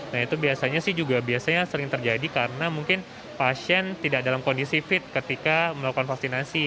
nah itu biasanya sih juga biasanya sering terjadi karena mungkin pasien tidak dalam kondisi fit ketika melakukan vaksinasi